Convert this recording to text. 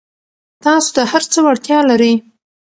تاسو د هر څه وړتیا لرئ.